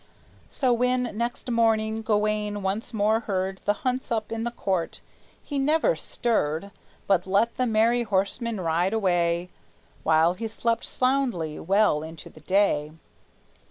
So when, next morning, Gawayne once more heard The hunt's up in the court, he never stirred, But let the merry horsemen ride away While he slept soundly well into the day.